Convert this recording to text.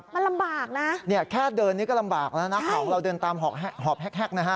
มันลำบากนะเนี่ยแค่เดินนี้ก็ลำบากแล้วนะของเราเดินตามหอบแฮกนะฮะ